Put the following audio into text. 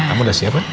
kamu udah siap ya